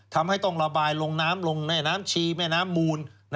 ทำให้ต้องระบายลงน้ำลงแม่น้ำชีแม่น้ำมูล